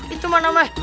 itu mana mah